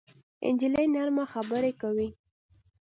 نجلۍ نرمه خبرې کوي.